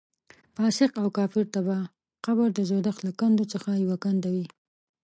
فاسق او کافر ته به قبر د دوزخ له کندو څخه یوه کنده وي.